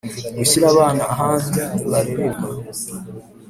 gushyira abana ahandi barererwa